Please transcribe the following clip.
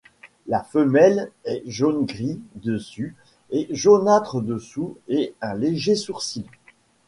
La femelle est jaune-gris dessus et jaunâtre dessous et un léger sourcil.